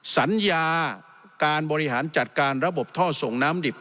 สัญญาการบริหารจัดการระบบท่อส่งน้ำดิบ